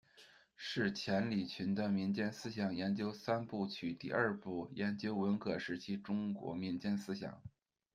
是钱理群的民间思想研究三部曲第二部，研究文革时期中国民间思想。